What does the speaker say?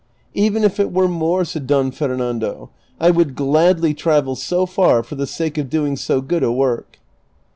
'' Even if it were more," said Don Fernando, " I would gladly travel so far for the sake of doing so good a work."